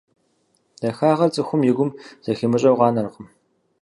Дахагъэр цӀыхум и гум зэхимыщӀэу къанэркъым.